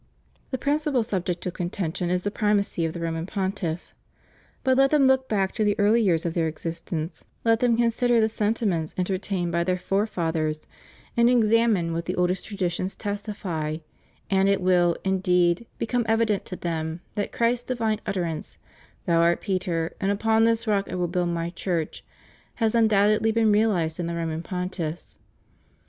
The principal subject of contention is the primacy of the Roman Pontiff. But let them look back to the early years of their existence, let them consider the sentiments entertained by their forefathers, and examine what the THE REUNION OF CHRISTENDOM. 307 oldest traditions testify, and it will, indeed, become evi dent to them that Christ's divine utterance, Thou art Peter, and upon this rock I will build My Church, has un doubtedly been realized in the Roman Pontiffs.